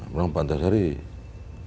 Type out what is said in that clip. berkata pak antasarudin